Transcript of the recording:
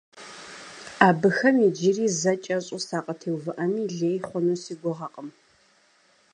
Абыхэм иджыри зэ кӀэщӀу сакъытеувыӀэми лей хъуну си гугъэкъым.